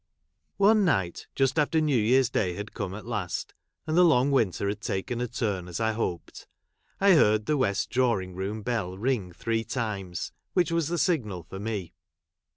" One night — just after New Year's Day had ' come at last, and the long winter had taken a turn as hoped — I heard the west drawiiig 1 room bell ring three times, which was the 1 signal for me.